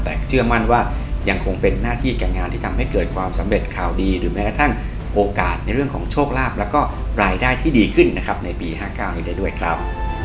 แต่เชื่อมั่นว่ายังคงเป็นหน้าที่การงานที่ทำให้เกิดความสำเร็จข่าวดีหรือแม้กระทั่งโอกาสในเรื่องของโชคลาภแล้วก็รายได้ที่ดีขึ้นนะครับในปี๕๙นี้ได้ด้วยครับ